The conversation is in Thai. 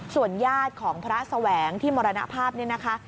ส่วนญาติของพระสแหวงท์ที่มระนะภาพนี้นะคะ